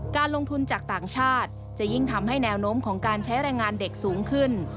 การลงทุนจากต่างชาติจะยิ่งทำให้แนวโน้มของการใช้แรงงานเด็กสูงขึ้น